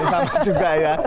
sama juga ya